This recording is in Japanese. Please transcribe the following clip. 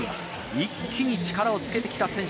一気に力をつけてきた選手。